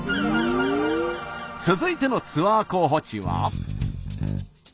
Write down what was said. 続いてのツアー候補地は？